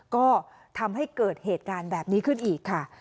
ก็ทำให้เกิดเหตุการณ์แบบนี้ขึ้นอีกค่ะ